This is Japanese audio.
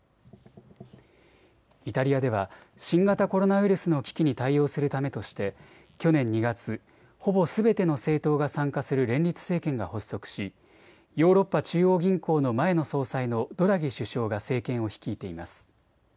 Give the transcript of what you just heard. イタリアでは新型コロナウイルスの危機に対応するためとして去年２月、ほぼすべての政党が参加する連立政権が発足しヨーロッパ中央銀行の前の総裁のドラギ首相が政権を率いています。